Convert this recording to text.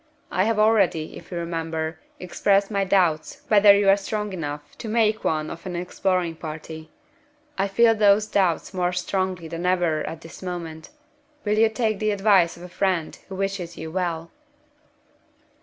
I have already, if you remember, expressed my doubts whether you are strong enough to make one of an exploring party. I feel those doubts more strongly than ever at this moment. Will you take the advice of a friend who wishes you well?"